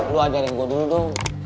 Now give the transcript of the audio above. lo ajarin gue dulu dong